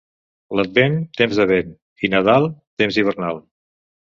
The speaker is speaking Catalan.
L'Advent, temps de vent, i Nadal, temps hivernal.